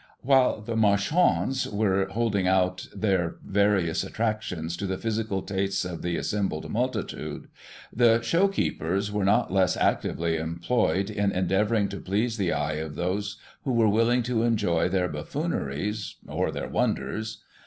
"While these marchands were holding out their various attractions to the physical tastes of the assembled multitude, the showkeepers were not less actively employed in endeavour ing to please the eye of those who were willing to enjoy their buffooneries, or their wonders.